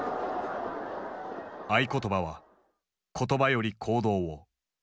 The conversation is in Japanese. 合言葉は「言葉より行動を」。